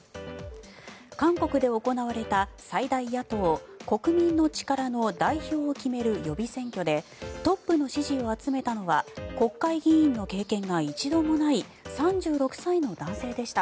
韓国で行われた最大野党国民の力の代表を決める予備選挙でトップの支持を集めたのは国会議員の経験が一度もない３６歳の男性でした。